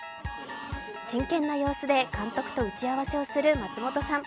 真剣な様子で監督と打ち合わせをする松本さん。